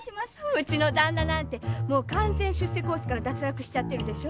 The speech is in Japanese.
うちの旦那なんてもう完全出世コースから脱落しちゃってるでしょ？